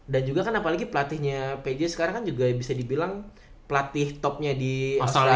dan juga kan apalagi pelatihnya pj sekarang kan juga bisa dibilang pelatih topnya di australia